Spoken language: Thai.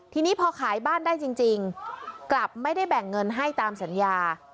ทีนี้พอขายบ้านได้จริงกลับไม่ได้แบ่งเงินให้ตามสัญญา